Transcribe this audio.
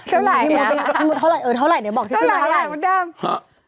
เท่าไหร่เดี๋ยวบอกที่ขึ้นมาเท่าไหร่